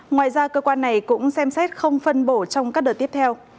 ngoài ra cơ quan này cũng xem xét không phân bổ trong các đợt tiếp theo